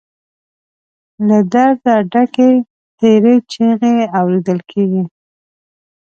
له درده ډکې تېرې چيغې اورېدل کېدې.